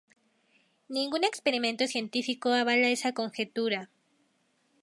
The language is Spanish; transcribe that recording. Ningún experimento científico avala esa conjetura.